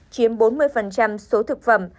chiếm bốn mươi số thực phẩm